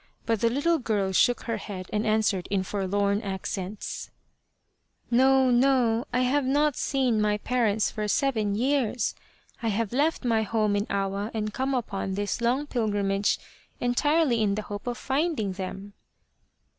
But the little girl shook her head and answered in forlorn accents : 18 The Quest of the Sword " No, no. I have not seen my parents for seven years. I have left my home in Awa and come upon this long pilgrimage entirely in the hope of finding them."